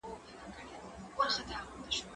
که وخت وي، ليکلي پاڼي ترتيب کوم؟